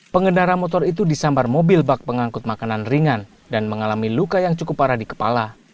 pengendara motor itu disambar mobil bak pengangkut makanan ringan dan mengalami luka yang cukup parah di kepala